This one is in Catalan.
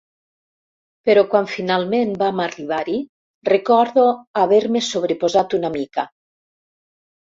Però quan finalment vam arribar-hi, recordo haver-me sobreposat una mica.